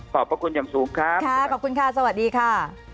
ขอบคุณอย่างสูงครับสวัสดีค่ะค่ะขอบคุณค่ะสวัสดีค่ะ